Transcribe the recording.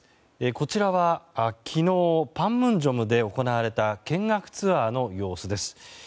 こちらは、昨日パンムンジョムで行われた見学ツアーの様子です。